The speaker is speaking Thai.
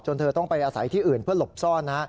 เธอต้องไปอาศัยที่อื่นเพื่อหลบซ่อน